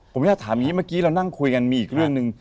ผมอยากถามอย่างนี้เมื่อกี้เรานั่งคุยกันมีอีกเรื่องหนึ่ง